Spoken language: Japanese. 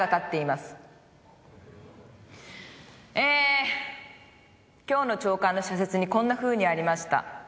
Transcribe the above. えー今日の朝刊の社説にこんなふうにありました。